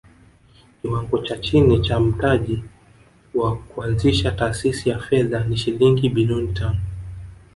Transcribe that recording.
Kiwango cha chini cha mtaji wa kuanzisha taasisi ya fedha ni shilingi bilioni tano